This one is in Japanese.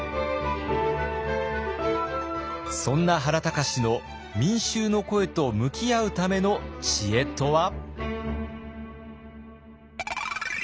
そんな原敬の民衆の声と向き合うための知恵とは？